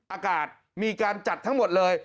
อากาศมีการจัดทั้งหมดเลย